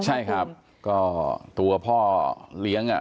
ใช่ครับก็ตัวพ่อเลี้ยงอ่ะ